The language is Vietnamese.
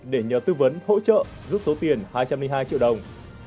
để nhờ tư vấn hỗ trợ giúp số tiền hai trăm linh hai triệu đồng